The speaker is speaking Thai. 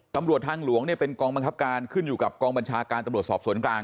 ตำรวจทางหลวงเนี่ยเป็นกองบังคับการขึ้นอยู่กับกองบัญชาการตำรวจสอบสวนกลาง